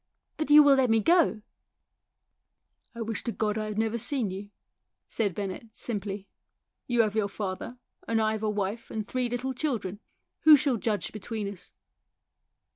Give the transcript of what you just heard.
But you will let me go ?"" I wish to God I had never seen you !" said Bennett simply. " You have your father, and I have a wife and three little children. Who shall judge between us